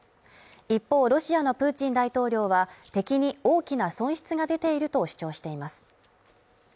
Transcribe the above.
一方、ロシアのプーチン大統領は敵に大きな損失が出ていると主張しています。